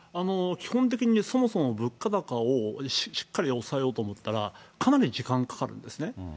基本的にそもそも物価高をしっかり抑えようと思ったら、かなり時間かかるんですね。